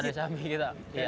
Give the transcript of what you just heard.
ada di samping kita